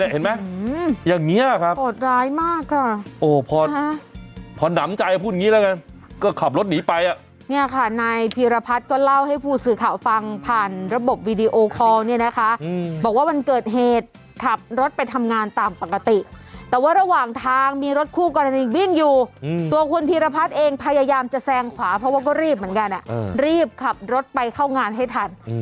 เราก็เล่าให้ผู้สื่อข่าวฟังผ่านระบบวิดีโอคอล์เนี่ยนะคะบอกว่ามันเกิดเหตุขับรถไปทำงานตามปกติแต่ว่าระหว่างทางมีรถคู่กราณีวิ่งอยู่ตัวคุณพีรพัฒน์เองพยายามจะแซงขวาเพราะว่าก็รีบเหมือนกันอ่ะรีบขับรถไปเข้างานให้ทัน